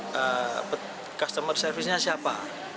saya tanya customer service nya siapa